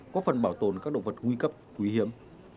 có phần bảo tồn các động vật nguy cấp quý hiếm